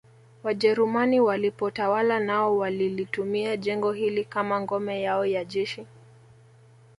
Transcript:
Wajerumani walipotawala nao walilitumia jengo hili kama ngome yao ya jeshi